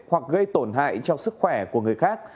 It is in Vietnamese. hoặc gây tổn hại cho sức khỏe của người khác